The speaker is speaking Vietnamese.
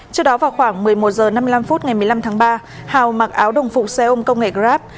trước đó vào khoảng một mươi một h năm mươi năm phút ngày một mươi năm tháng ba hào mặc áo đồng phục xe ôm công nghệ grab